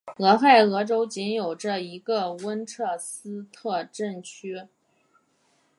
俄亥俄州仅有这一个温彻斯特镇区。